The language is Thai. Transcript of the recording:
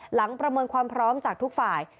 ประเมินความพร้อมจากทุกฝ่าย